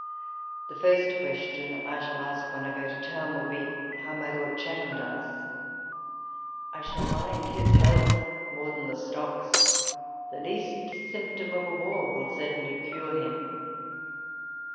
The first question I shall ask when I go to town will ])e, how my Lord Chatham does? I shall mind his health more than the stocks. The least symptom of a war will certainly cure him.